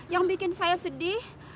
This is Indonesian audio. yang bikin saya sedih